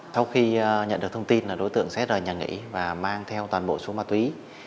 sau khi nhận được thông tin là đối tượng xét là nhà nghỉ và mang theo toàn bộ số ma túy